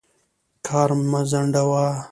کار مه ځنډوه.